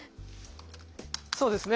そうですね